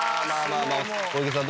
小池さん